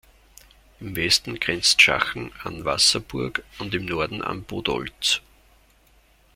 Im Westen grenzt Schachen an Wasserburg, und im Norden an Bodolz.